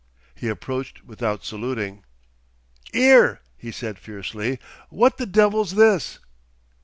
He approached without saluting. "'Ere!" he said fiercely. "Whad the devil's this?"